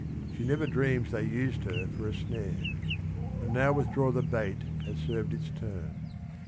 She never dreams they used her for a snare. And now withdraw the bait has served its turn.'